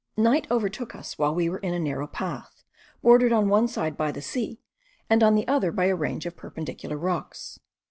Night overtook us while we were in a narrow path, bordered on one side by the sea, and on the other by a range of perpendicular rocks.